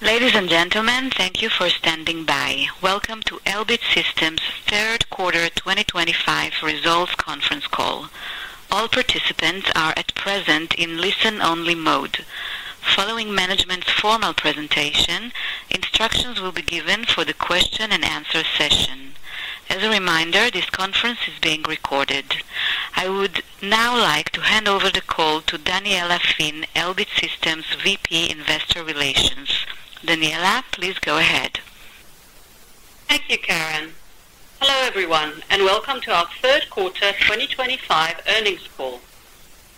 Ladies and gentlemen, thank you for standing by. Welcome to Elbit Systems' Third Quarter 2025 Results Conference Call. All participants are at present in listen-only mode. Following management's formal presentation, instructions will be given for the question-and-answer session. As a reminder, this conference is being recorded. I would now like to hand over the call to Daniella Finn, Elbit Systems VP Investor Relations. Daniella, please go ahead. Thank you, Karen. Hello, everyone, and welcome to our Third Quarter 2025 Earnings Call.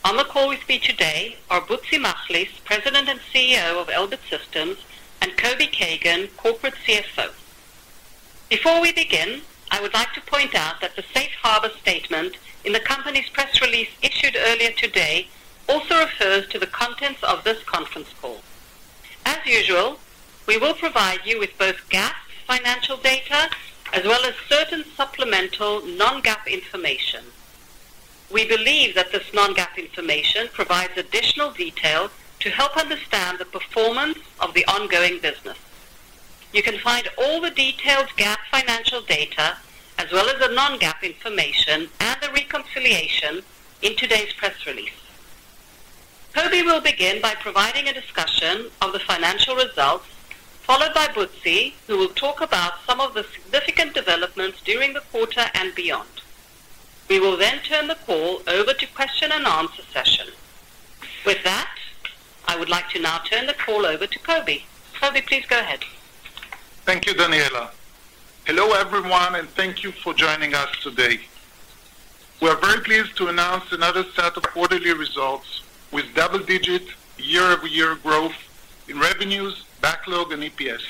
On the call with me today are Butzi Machlis, President and CEO of Elbit Systems, and Kobe Kagan, Corporate CFO. Before we begin, I would like to point out that the Safe Harbor Statement in the company's press release issued earlier today also refers to the contents of this conference call. As usual, we will provide you with both GAAP financial data as well as certain supplemental non-GAAP information. We believe that this non-GAAP information provides additional detail to help understand the performance of the ongoing business. You can find all the detailed GAAP financial data as well as the non-GAAP information and the reconciliation in today's press release. Kobe will begin by providing a discussion of the financial results, followed by Butzi, who will talk about some of the significant developments during the quarter and beyond. We will then turn the call over to question-and-answer session. With that, I would like to now turn the call over to Kobe. Kobe, please go ahead. Thank you, Daniella. Hello, everyone, and thank you for joining us today. We are very pleased to announce another set of quarterly results with double-digit year-over-year growth in revenues, backlog, and EPS.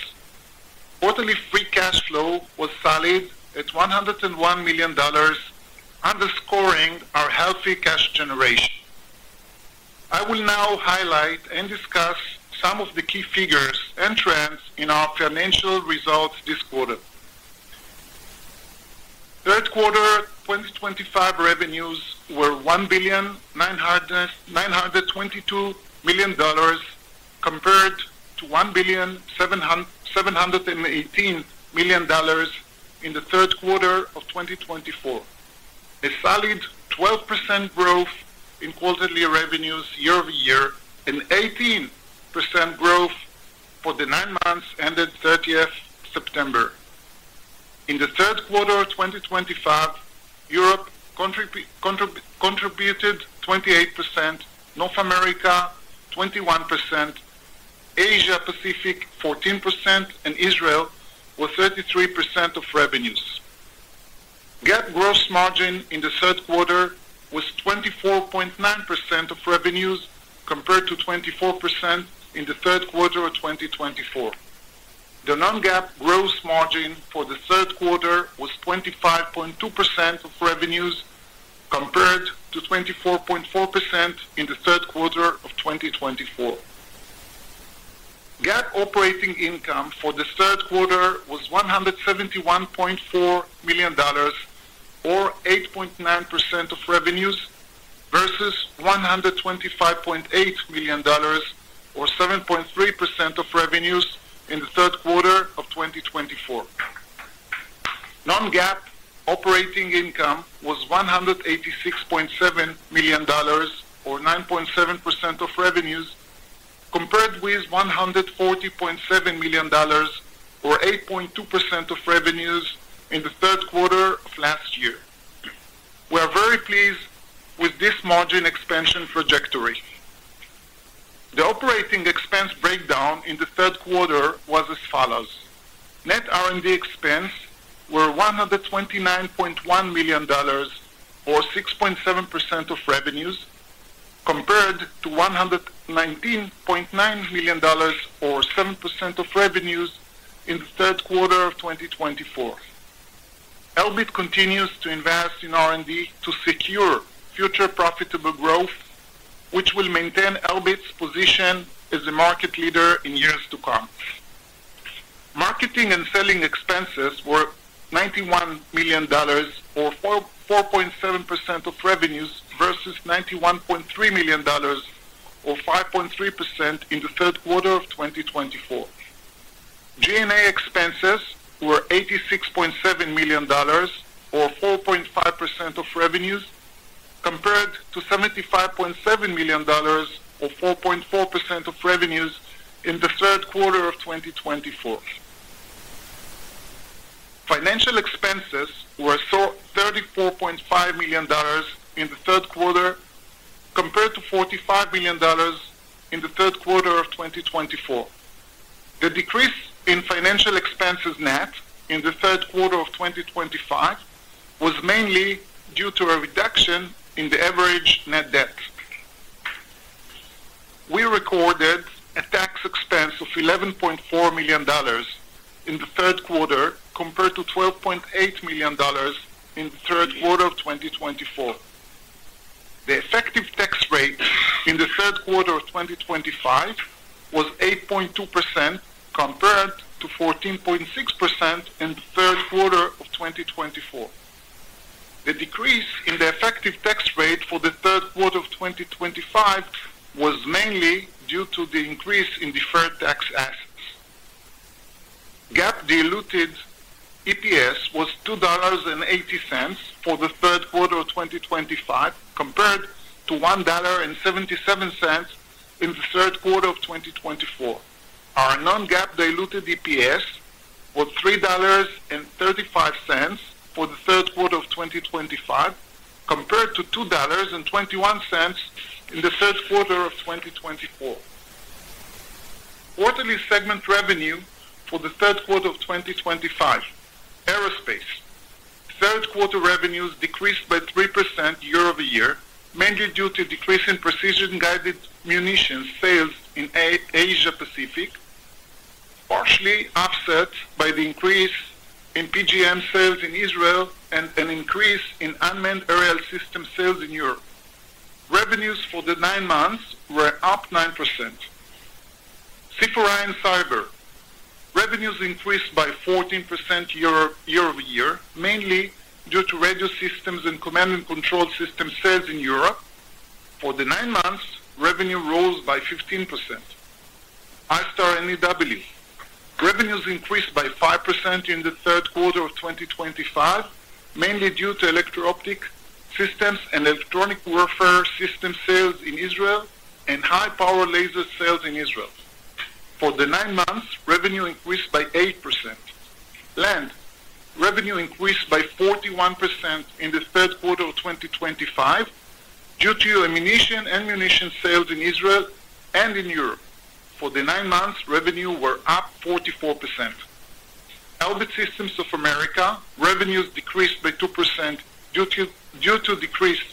Quarterly free cash flow was solid at $101 million, underscoring our healthy cash generation. I will now highlight and discuss some of the key figures and trends in our financial results this quarter. Third Quarter 2025 revenues were $1,922 million compared to $1,718 million in the Third Quarter of 2024, a solid 12% growth in quarterly revenues year-over-year and 18% growth for the nine months ended 30th September. In the Third Quarter 2025, Europe contributed 28%, North America 21%, Asia-Pacific 14%, and Israel were 33% of revenues. GAAP gross margin in the Third Quarter was 24.9% of revenues compared to 24% in the Third Quarter of 2024. The non-GAAP gross margin for the Third Quarter was 25.2% of revenues compared to 24.4% in the Third Quarter of 2024. GAAP operating income for the Third Quarter was $171.4 million, or 8.9% of revenues, versus $125.8 million, or 7.3% of revenues, in the Third Quarter of 2024. Non-GAAP operating income was $186.7 million, or 9.7% of revenues, compared with $140.7 million, or 8.2% of revenues, in the Third Quarter of last year. We are very pleased with this margin expansion trajectory. The operating expense breakdown in the Third Quarter was as follows: Net R&D expense was $129.1 million, or 6.7% of revenues, compared to $119.9 million, or 7% of revenues, in the Third Quarter of 2024. Elbit continues to invest in R&D to secure future profitable growth, which will maintain Elbit's position as a market leader in years to come. Marketing and selling expenses were $91 million, or 4.7% of revenues, versus $91.3 million, or 5.3%, in the Third Quarter of 2024. G&A expenses were $86.7 million, or 4.5% of revenues, compared to $75.7 million, or 4.4% of revenues, in the Third Quarter of 2024. Financial expenses were $34.5 million in the Third Quarter, compared to $45 million in the Third Quarter of 2024. The decrease in financial expenses net in the Third Quarter of 2025 was mainly due to a reduction in the average net debt. We recorded a tax expense of $11.4 million in the Third Quarter, compared to $12.8 million in the Third Quarter of 2024. The effective tax rate in the Third Quarter of 2025 was 8.2%, compared to 14.6% in the Third Quarter of 2024. The decrease in the effective tax rate for the Third Quarter of 2025 was mainly due to the increase in deferred tax assets. GAAP diluted EPS was $2.80 for the Third Quarter of 2025, compared to $1.77 in the Third Quarter of 2024. Our non-GAAP diluted EPS was $3.35 for the Third Quarter of 2025, compared to $2.21 in the Third Quarter of 2024. Quarterly segment revenue for the Third Quarter of 2025: Aerospace. Third Quarter revenues decreased by 3% year-over-year, mainly due to a decrease in precision-guided munitions sales in Asia-Pacific, partially offset by the increase in PGM sales in Israel and an increase in unmanned aerial system sales in Europe. Revenues for the nine months were up 9%. SIFRAE and CYBER. Revenues increased by 14% year-over-year, mainly due to radio systems and command-and-control system sales in Europe. For the nine months, revenue rose by 15%. Astar NEW. Revenues increased by 5% in the third quarter of 2025, mainly due to electro-optic systems and electronic warfare system sales in Israel and high-power laser sales in Israel. For the nine months, revenue increased by 8%. Land. Revenue increased by 41% in the third quarter of 2025 due to ammunition and munitions sales in Israel and in Europe. For the nine months, revenues were up 44%. Elbit Systems of America. Revenues decreased by 2% due to a decrease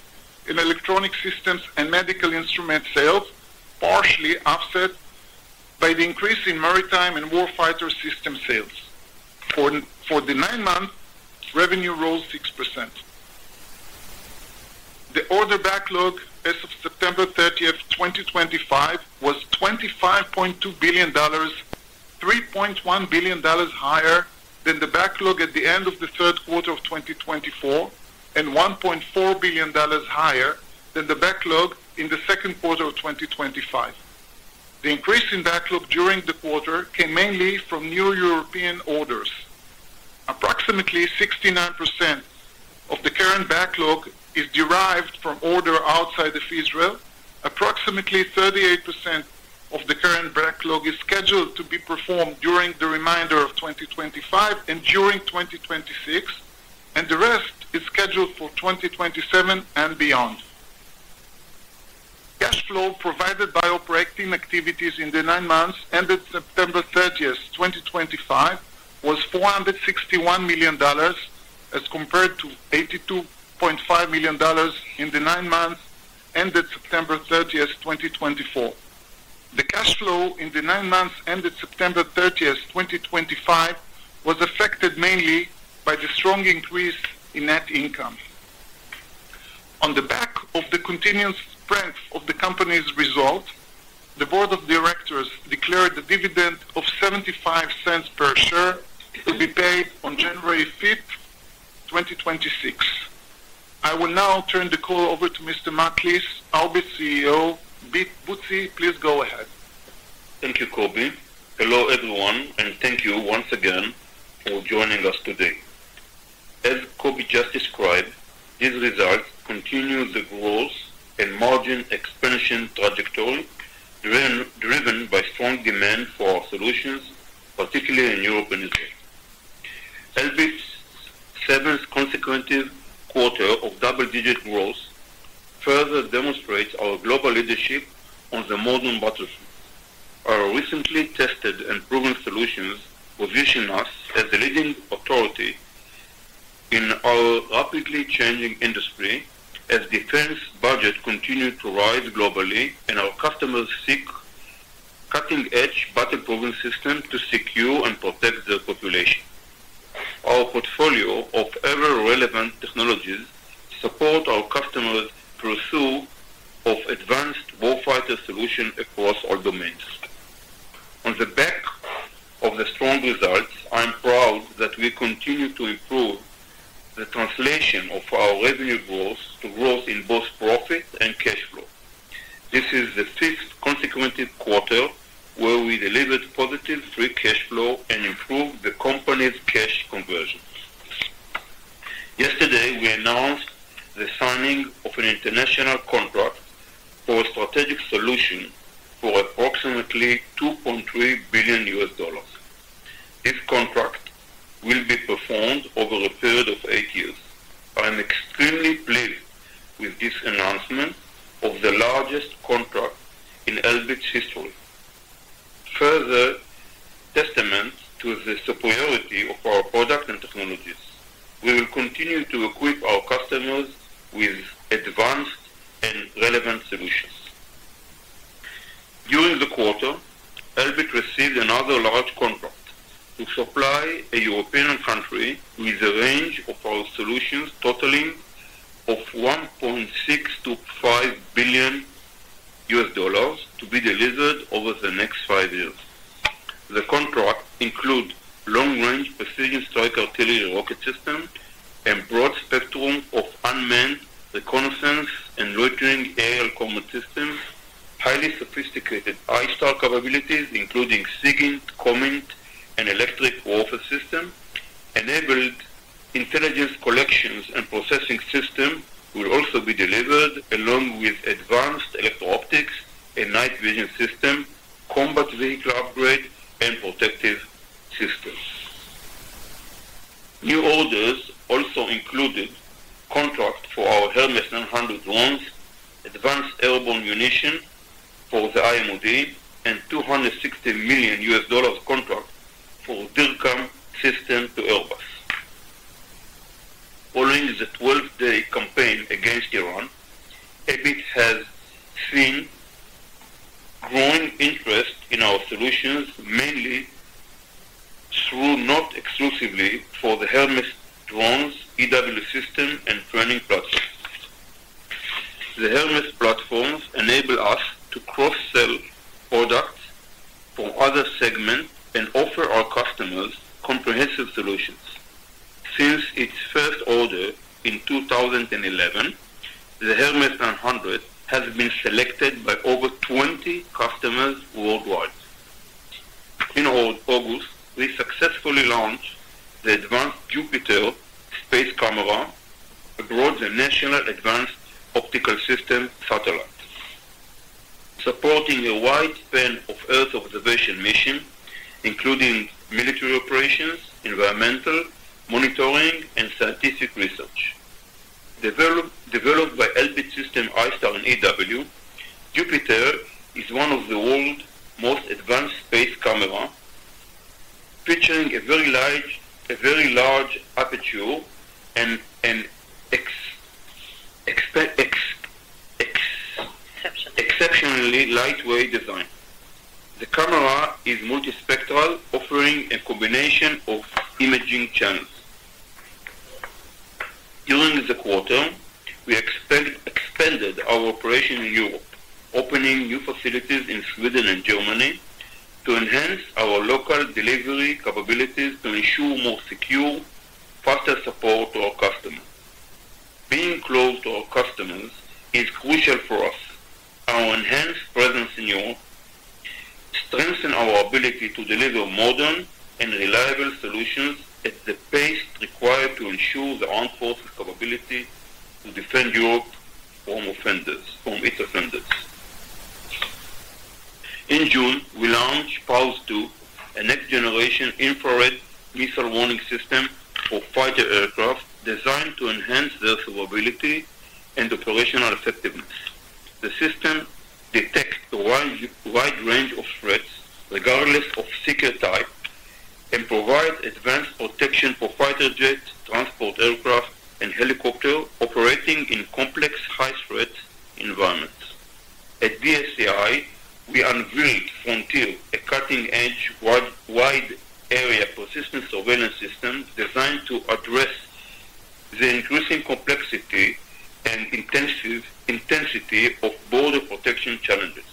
in electronic systems and medical instrument sales, partially offset by the increase in maritime and warfighter system sales. For the nine months, revenue rose 6%. The order backlog as of September 30, 2025, was $25.2 billion, $3.1 billion higher than the backlog at the end of the third quarter of 2024 and $1.4 billion higher than the backlog in the second quarter of 2025. The increase in backlog during the quarter came mainly from new European orders. Approximately 69% of the current backlog is derived from orders outside of Israel. Approximately 38% of the current backlog is scheduled to be performed during the remainder of 2025 and during 2026, and the rest is scheduled for 2027 and beyond. Cash flow provided by operating activities in the nine months ended September 30, 2025, was $461 million as compared to $82.5 million in the nine months ended September 30, 2024. The cash flow in the nine months ended September 30, 2025, was affected mainly by the strong increase in net income. On the back of the continued strength of the company's result, the Board of Directors declared a dividend of $0.75 per share to be paid on January 5, 2026. I will now turn the call over to Mr. Machlis, Elbit CEO. Butzi, please go ahead. Thank you, Kobe. Hello, everyone, and thank you once again for joining us today. As Kobe just described, these results continue the growth and margin expansion trajectory driven by strong demand for our solutions, particularly in Europe and Israel. Elbit's seventh consecutive quarter of double-digit growth further demonstrates our global leadership on the modern battlefield. Our recently tested and proven solutions position us as a leading authority in our rapidly changing industry as defense budgets continue to rise globally and our customers seek cutting-edge battle-proven systems to secure and protect their population. Our portfolio of ever-relevant technologies supports our customers' pursuit of advanced warfighter solutions across all domains. On the back of the strong results, I am proud that we continue to improve the translation of our revenue growth to growth in both profit and cash flow. This is the fifth consecutive quarter where we delivered positive free cash flow and improved the company's cash conversions. Yesterday, we announced the signing of an international contract for a strategic solution for approximately $2.3 billion. This contract will be performed over a period of eight years. I am extremely pleased with this announcement of the largest contract in Elbit's history. Further testament to the superiority of our product and technologies, we will continue to equip our customers with advanced and relevant solutions. During the quarter, Elbit received another large contract to supply a European country with a range of our solutions totaling $1.625 billion to be delivered over the next five years. The contract includes long-range precision-strike artillery rocket systems and a broad spectrum of unmanned reconnaissance and loitering air combat systems. Highly sophisticated ISTAR capabilities, including SIGINT, COMINT, and electronic warfare systems, enabled intelligence collection and processing systems, will also be delivered along with advanced electro-optics and night vision systems, combat vehicle upgrades, and protective systems. New orders also included a contract for our Hermes 900 drones, advanced airborne munitions for the Israel Ministry of Defense, and a $260 million contract for DIRCOM systems to Airbus. Following the 12-day campaign against Iran, Elbit has seen growing interest in our solutions, mainly though not exclusively for the Hermes drones, EW systems, and training platforms. The Hermes platforms enable us to cross-sell products from other segments and offer our customers comprehensive solutions. Since its first order in 2011, the Hermes 900 has been selected by over 20 customers worldwide. In August, we successfully launched the advanced Jupiter space camera aboard the National Advanced Optical System satellite, supporting a wide span of Earth observation missions, including military operations, environmental monitoring, and scientific research. Developed by Elbit Systems ISTAR and EW, Jupiter is one of the world's most advanced space cameras, featuring a very large aperture and an exceptionally lightweight design. The camera is multispectral, offering a combination of imaging channels. During the quarter, we expanded our operations in Europe, opening new facilities in Sweden and Germany to enhance our local delivery capabilities to ensure more secure, faster support to our customers. Being close to our customers is crucial for us. Our enhanced presence in Europe strengthens our ability to deliver modern and reliable solutions at the pace required to ensure the armed forces' capability to defend Europe from its offenders. In June, we launched PAUS-2, a next-generation infrared missile warning system for fighter aircraft designed to enhance their survivability and operational effectiveness. The system detects a wide range of threats, regardless of seeker type, and provides advanced protection for fighter jets, transport aircraft, and helicopters operating in complex, high-threat environments. At BSAI, we unveiled Frontier, a cutting-edge wide-area persistent surveillance system designed to address the increasing complexity and intensity of border protection challenges.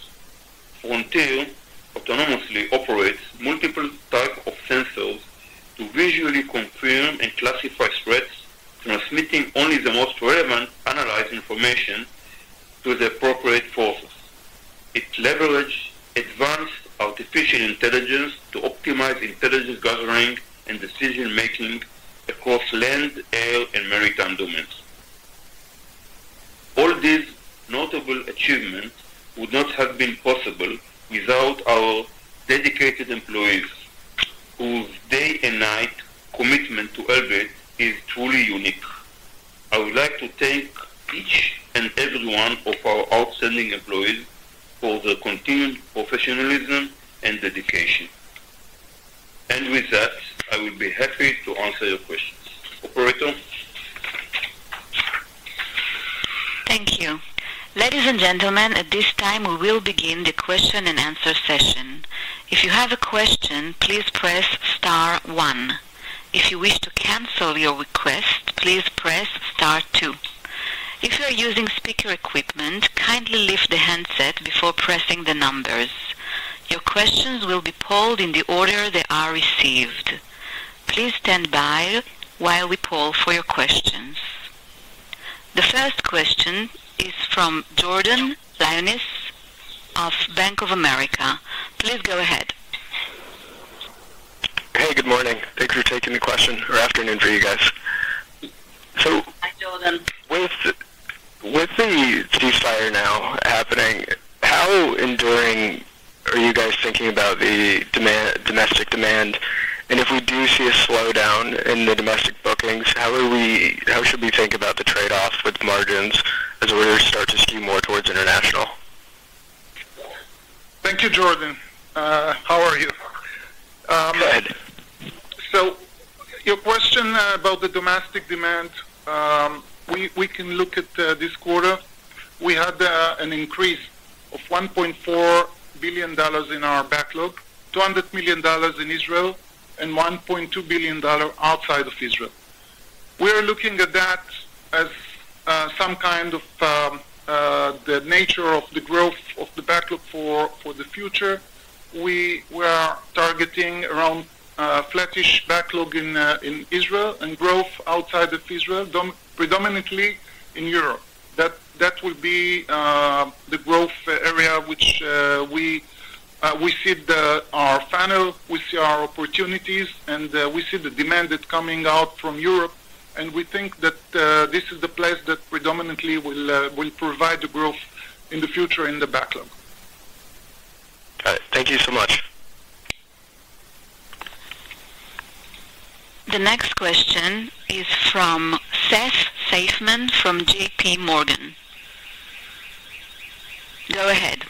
Frontier autonomously operates multiple types of sensors to visually confirm and classify threats, transmitting only the most relevant analyzed information to the appropriate forces. It leverages advanced artificial intelligence to optimize intelligence gathering and decision-making across land, air, and maritime domains. All these notable achievements would not have been possible without our dedicated employees, whose day-and-night commitment to Elbit is truly unique. I would like to thank each and every one of our outstanding employees for their continued professionalism and dedication. With that, I will be happy to answer your questions. Operator. Thank you. Ladies and gentlemen, at this time, we will begin the question-and-answer session. If you have a question, please press Star 1. If you wish to cancel your request, please press Star 2. If you are using speaker equipment, kindly lift the handset before pressing the numbers. Your questions will be polled in the order they are received. Please stand by while we poll for your questions. The first question is from Jordan Lyonis of Bank of America. Please go ahead. Hey, good morning. Thanks for taking the question. Or afternoon for you guys. So. Hi, Jordan. With the ceasefire now happening, how enduring are you guys thinking about the domestic demand? If we do see a slowdown in the domestic bookings, how should we think about the trade-off with margins as we start to skew more towards international? Thank you, Jordan. How are you? Good. Your question about the domestic demand, we can look at this quarter. We had an increase of $1.4 billion in our backlog, $200 million in Israel, and $1.2 billion outside of Israel. We are looking at that as some kind of the nature of the growth of the backlog for the future. We are targeting around a flattish backlog in Israel and growth outside of Israel, predominantly in Europe. That will be the growth area which we see our funnel, we see our opportunities, and we see the demand that's coming out from Europe. We think that this is the place that predominantly will provide the growth in the future in the backlog. Got it. Thank you so much. The next question is from Seth Seifman from JP Morgan. Go ahead. Good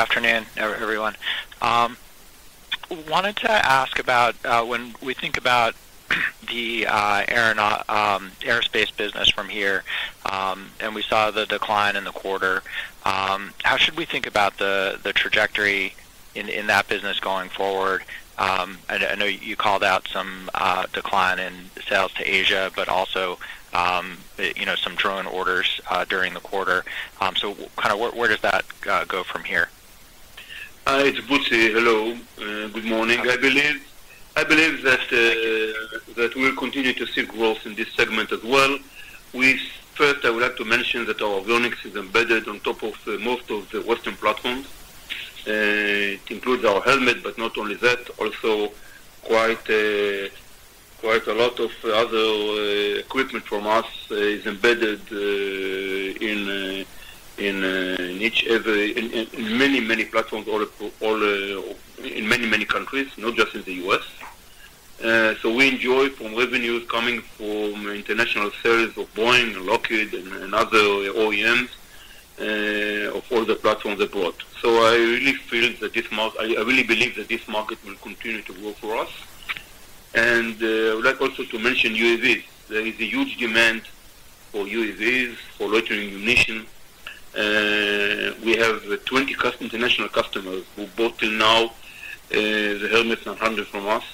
afternoon, everyone. Wanted to ask about when we think about the air and aerospace business from here, and we saw the decline in the quarter, how should we think about the trajectory in that business going forward? I know you called out some decline in sales to Asia, but also some drone orders during the quarter. Kind of where does that go from here? Hi, it's Butzi. Hello. Good morning, I believe. I believe that we'll continue to see growth in this segment as well. First, I would like to mention that our drone mix is embedded on top of most of the Western platforms. It includes our helmet, but not only that. Also, quite a lot of other equipment from us is embedded in many, many platforms in many, many countries, not just in the U.S. We enjoy revenues coming from international sales of Boeing and Lockheed and other OEMs of all the platforms abroad. I really feel that this market, I really believe that this market will continue to grow for us. I would like also to mention UAVs. There is a huge demand for UAVs, for loitering munitions. We have 20 international customers who bought till now the Hermes 900 from us.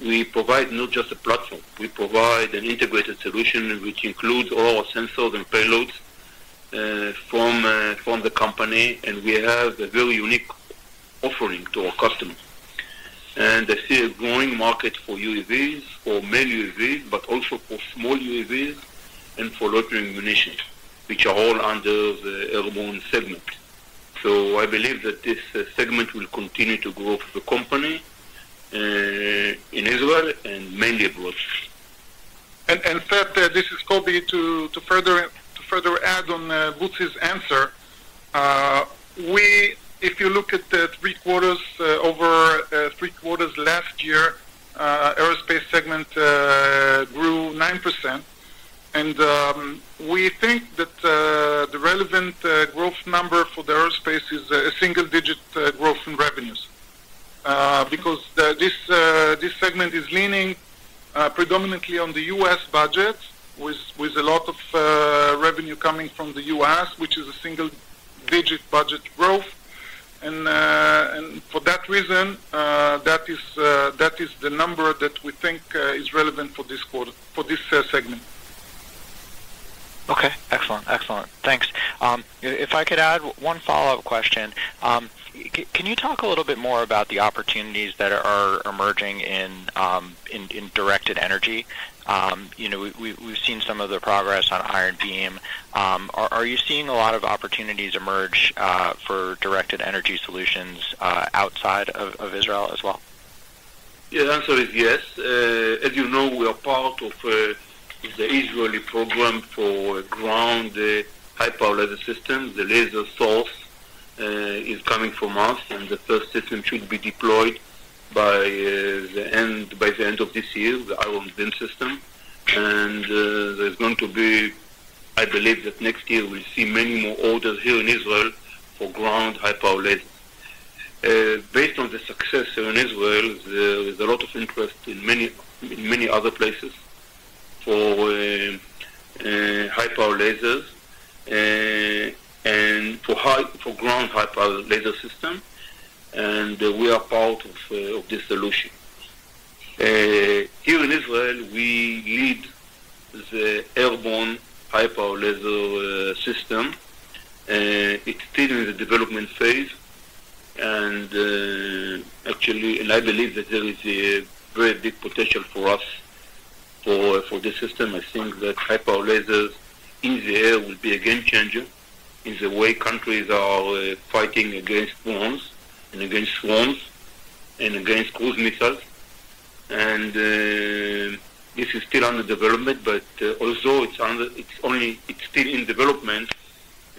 We provide not just a platform. We provide an integrated solution which includes all our sensors and payloads from the company. We have a very unique offering to our customers. I see a growing market for UAVs, for main UAVs, but also for small UAVs and for loitering munitions, which are all under the airborne segment. I believe that this segment will continue to grow for the company in Israel and mainly abroad. Seth, this is Kobe to further add on Butzi's answer. If you look at the three quarters over three quarters last year, the aerospace segment grew 9%. We think that the relevant growth number for the aerospace is a single-digit growth in revenues because this segment is leaning predominantly on the U.S. budget, with a lot of revenue coming from the U.S., which is a single-digit budget growth. For that reason, that is the number that we think is relevant for this quarter, for this segment. Okay. Excellent. Excellent. Thanks. If I could add one follow-up question, can you talk a little bit more about the opportunities that are emerging in directed energy? We've seen some of the progress on Iron Beam. Are you seeing a lot of opportunities emerge for directed energy solutions outside of Israel as well? Yeah. The answer is yes. As you know, we are part of the Israeli program for ground high-powered systems. The laser source is coming from us, and the first system should be deployed by the end of this year, the Iron Beam system. There is going to be, I believe, that next year we'll see many more orders here in Israel for ground high-powered lasers. Based on the success here in Israel, there is a lot of interest in many other places for high-powered lasers and for ground high-powered laser systems. We are part of this solution. Here in Israel, we lead the airborne high-powered laser system. It's still in the development phase. I believe that there is a very big potential for us for this system. I think that high-powered lasers in the air will be a game changer in the way countries are fighting against drones and against swarms and against cruise missiles. This is still under development, although it's still in development,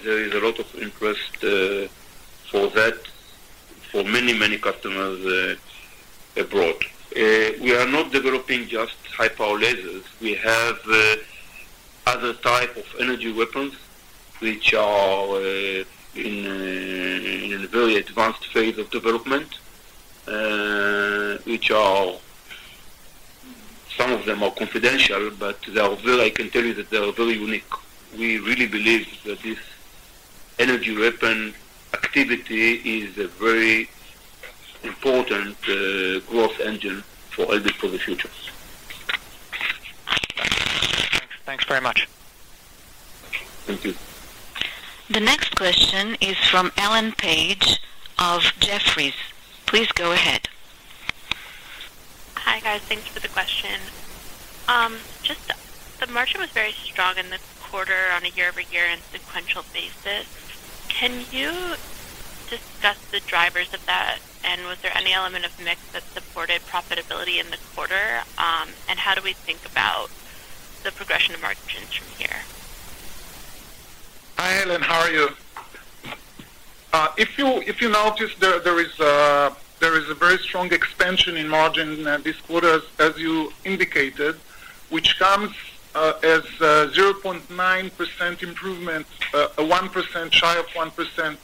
there is a lot of interest for that for many, many customers abroad. We are not developing just high-powered lasers. We have other types of energy weapons which are in a very advanced phase of development, which some of them are confidential, but I can tell you that they are very unique. We really believe that this energy weapon activity is a very important growth engine for Elbit for the future. Thanks very much. Thank you. The next question is from Ellen Page of Jefferies. Please go ahead. Hi, guys. Thank you for the question. Just the margin was very strong in the quarter on a year-over-year and sequential basis. Can you discuss the drivers of that, and was there any element of mix that supported profitability in the quarter, and how do we think about the progression of margins from here? Hi, Ellen. How are you? If you notice, there is a very strong expansion in margins this quarter, as you indicated, which comes as a 0.9% improvement, a 1%, shy of 1%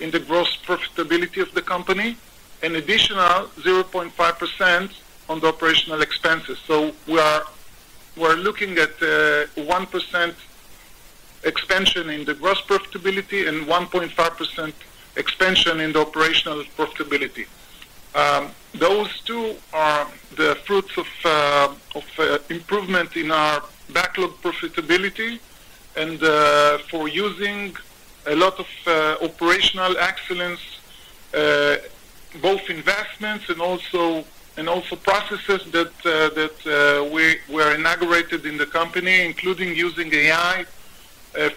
in the gross profitability of the company, and additional 0.5% on the operational expenses. We are looking at a 1% expansion in the gross profitability and 1.5% expansion in the operational profitability. Those two are the fruits of improvement in our backlog profitability and for using a lot of operational excellence, both investments and also processes that were inaugurated in the company, including using AI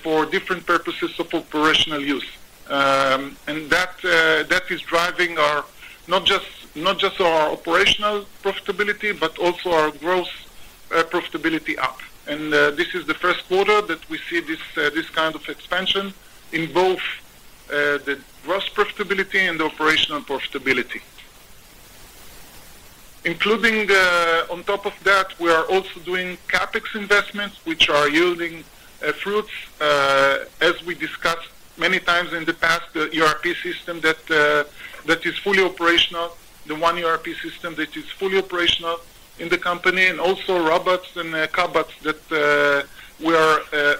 for different purposes of operational use. That is driving not just our operational profitability, but also our gross profitability up. This is the first quarter that we see this kind of expansion in both the gross profitability and the operational profitability. On top of that, we are also doing CapEx investments, which are yielding fruits, as we discussed many times in the past, the ERP system that is fully operational, the one ERP system that is fully operational in the company, and also robots and cobots that we are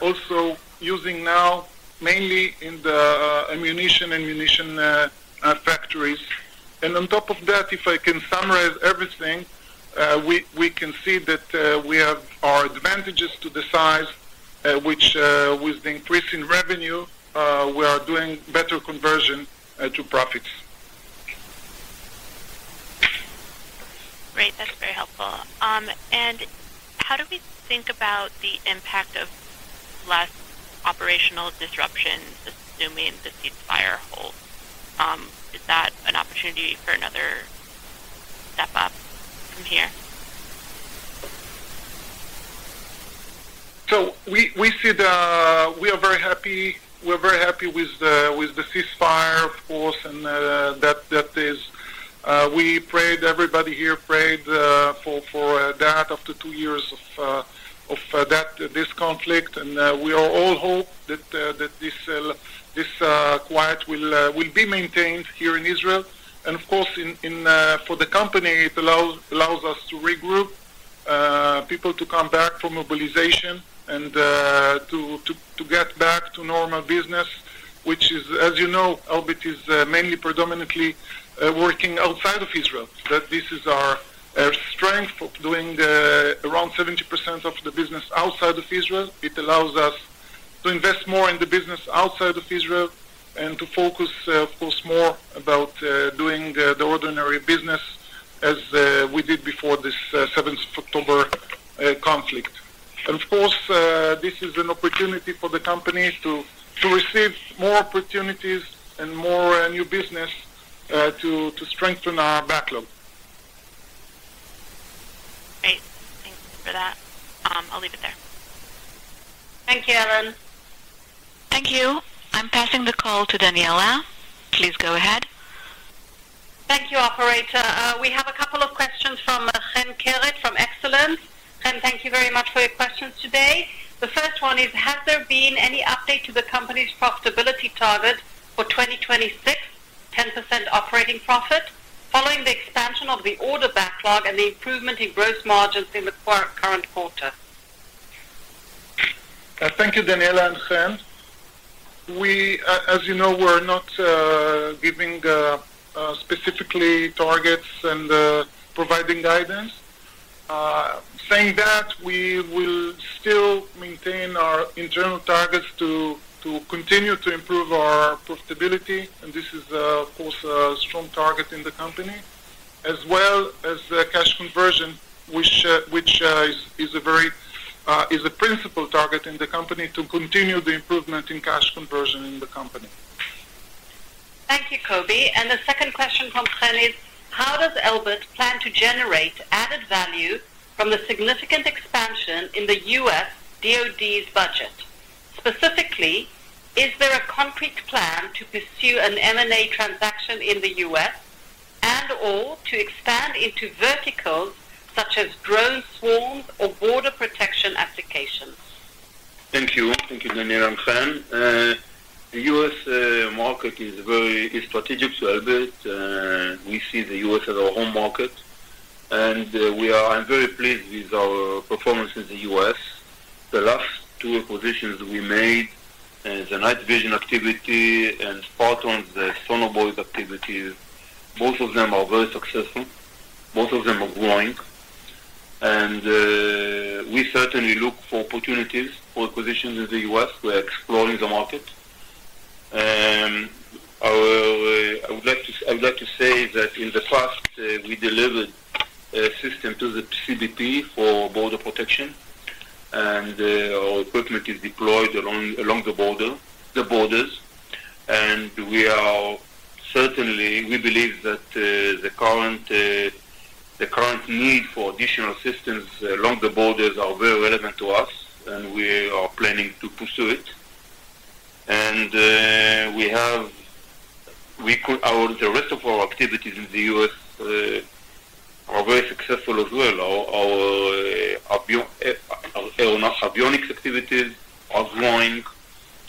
also using now mainly in the ammunition and munition factories. If I can summarize everything, we can see that we have our advantages to the size, which with the increase in revenue, we are doing better conversion to profits. Great. That's very helpful. How do we think about the impact of last operational disruptions, assuming the ceasefire holds? Is that an opportunity for another step up from here? We are very happy. We're very happy with the ceasefire, of course, and that we prayed, everybody here prayed for that after two years of this conflict. We all hope that this quiet will be maintained here in Israel. Of course, for the company, it allows us to regroup, people to come back from mobilization, and to get back to normal business, which is, as you know, Elbit is mainly predominantly working outside of Israel. This is our strength of doing around 70% of the business outside of Israel. It allows us to invest more in the business outside of Israel and to focus, of course, more about doing the ordinary business as we did before this 7th of October conflict. Of course, this is an opportunity for the company to receive more opportunities and more new business to strengthen our backlog. Great. Thanks for that. I'll leave it there. Thank you, Ellen. Thank you. I'm passing the call to Daniella. Please go ahead. Thank you, operator. We have a couple of questions from Chen Kerrit from Excellence. Chen, thank you very much for your questions today. The first one is, has there been any update to the company's profitability target for 2026, 10% operating profit, following the expansion of the order backlog and the improvement in gross margins in the current quarter? Thank you, Daniella and Chen. As you know, we're not giving specifically targets and providing guidance. Saying that, we will still maintain our internal targets to continue to improve our profitability. This is, of course, a strong target in the company, as well as cash conversion, which is a principal target in the company to continue the improvement in cash conversion in the company. Thank you, Kobe. The second question from Chen is, how does Elbit plan to generate added value from the significant expansion in the US DOD's budget? Specifically, is there a concrete plan to pursue an M&A transaction in the US and/or to expand into verticals such as drone swarms or border protection applications? Thank you. Thank you, Daniella and Chen. The US market is very strategic to Elbit. We see the US as our home market. I'm very pleased with our performance in the US. The last two acquisitions we made, the Night Vision activity and Sparton, the Sonoboy activity, both of them are very successful. Both of them are growing. We certainly look for opportunities for acquisitions in the US. We're exploring the market. I would like to say that in the past, we delivered a system to the CBP for border protection. Our equipment is deployed along the borders. We believe that the current need for additional systems along the borders is very relevant to us, and we are planning to pursue it. The rest of our activities in the US are very successful as well. Our avionics activities are growing,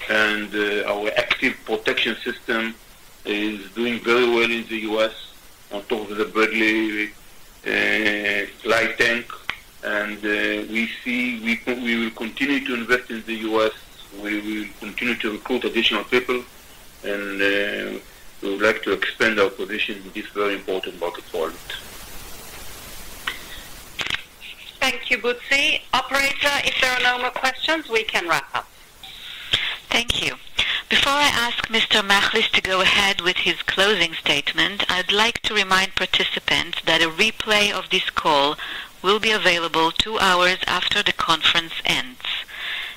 and our active protection system is doing very well in the U.S. on top of the Bradley flight tank. We will continue to invest in the U.S. We will continue to recruit additional people. We would like to expand our position in this very important market for Elbit. Thank you, Butzi. Operator, if there are no more questions, we can wrap up. Thank you. Before I ask Mr. Machlis to go ahead with his closing statement, I'd like to remind participants that a replay of this call will be available two hours after the conference ends.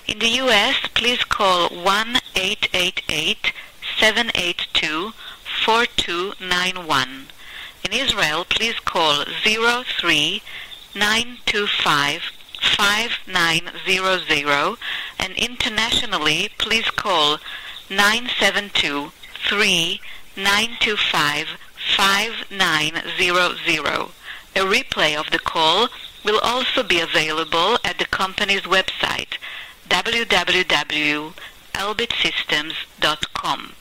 In the U.S., please call 1-888-782-4291. In Israel, please call 03-925-5900. Internationally, please call 972-3-925-5900. A replay of the call will also be available at the company's website, www.elbitsystems.com.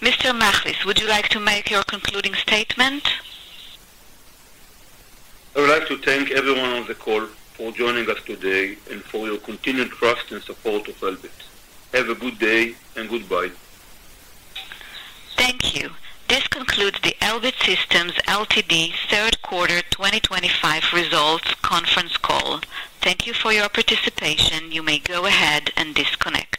Mr. Machlis, would you like to make your concluding statement? I would like to thank everyone on the call for joining us today and for your continued trust and support of Elbit. Have a good day and goodbye. Thank you. This concludes the Elbit Systems third quarter 2025 results conference call. Thank you for your participation. You may go ahead and disconnect.